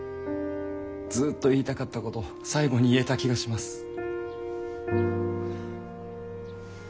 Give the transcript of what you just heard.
ずっと言いたかったこと最後に言えた気がします。